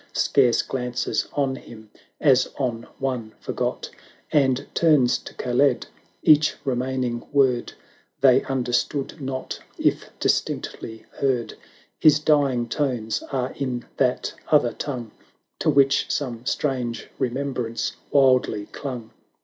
Scarce glances on him as on one forgot. And turns to Kaled :— each remaining word They understood not, if distinctly heard ; His dying tones are in that other tongue, To which some strange remembrance wildly clung.